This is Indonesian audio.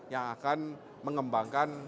yang akan mengembangkan